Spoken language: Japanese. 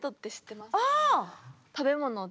食べ物で。